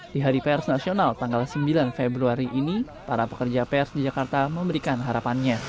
di hari pers nasional tanggal sembilan februari ini para pekerja pers di jakarta memberikan harapannya